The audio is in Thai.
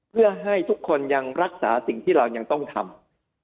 เพื่อให้ทุกคนยังรักษาสิ่งที่เรายังต้องทำ